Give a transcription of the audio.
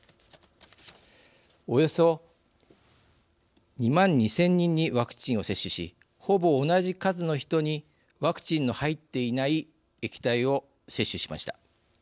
およそ２万２，０００人にワクチンを接種しほぼ同じ数の人にワクチンの入っていない液体を接種しました。